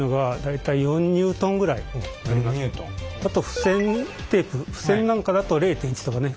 あとふせんテープふせんなんかだと０．１とかね